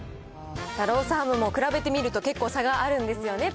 さあ、ロースハムも比べてみると、結構差があるんですよね。